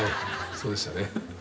そうでしたね。